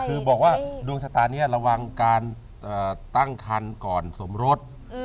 คือบอกว่าดวงชะตานี้ระวังการตั้งคันก่อนสมรส